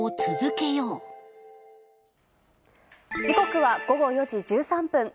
時刻は午後４時１３分。